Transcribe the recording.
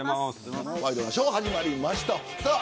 ワイドナショー、始まりました。